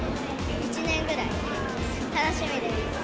１年ぐらい、楽しみです。